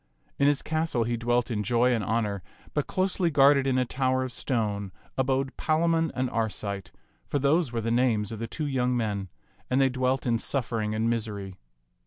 In his castle he dwelt in joy and honor ; but closely guarded in a tower of stone abode Palamon and Arcite, for those were the names of the two young men, and they dwelt in suffering and misery.